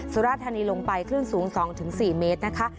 สุราธานีลงไปคลื่นสูง๒๔เมตรนะคะ